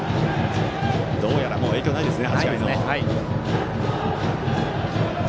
どうやらもう影響はないですね。